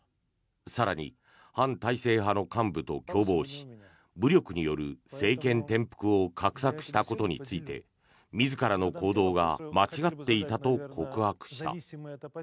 更に、反体制派の幹部と共謀し武力による政権転覆を画策したことについて自らの行動が間違っていたと告白した。